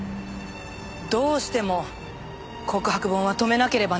どうしても告白本は止めなければならなかった。